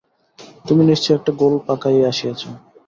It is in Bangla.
তুমি নিশ্চয় একটা গোল পাকাইয়া আসিয়াছ।